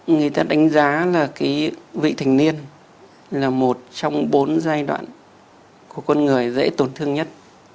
người ta đánh giá là cái vị thành niên là một trong bốn giai đoạn của con người dễ tổn thương nhất